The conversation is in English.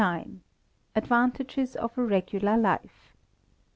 1769. Advantages of a Regular Life.